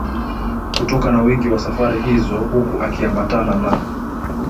kutoka na wingi wa safari hizo huku akiambatana na